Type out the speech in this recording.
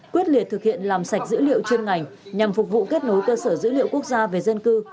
quyết liệt thực hiện làm sạch dữ liệu chuyên ngành nhằm phục vụ kết nối cơ sở dữ liệu quốc gia về dân cư